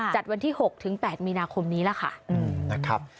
จัดวันที่๖๘มีนาคมนี้ล่ะค่ะ